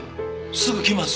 すぐ来ます。